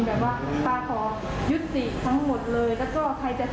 แบบว่าป้าขอยุติทั้งหมดเลยแล้วก็ใครจะทำสัญญากับป้า